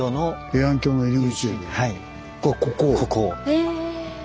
へえ。